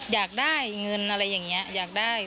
อยากได้เงินอะไรอย่างนี้อยากได้